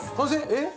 えっ？